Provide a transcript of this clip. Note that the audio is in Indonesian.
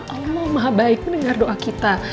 allah mahabaik mendengar doa kita